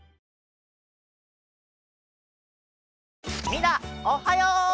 みんなおっはよ！